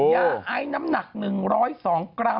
ยาไอน้ำหนัก๑๐๒กรัม